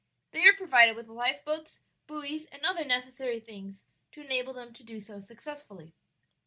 "They are provided with lifeboats, buoys, and other necessary things to enable them to do so successfully.